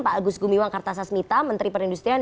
pak agus gumiwang kartasasmita menteri perindustrian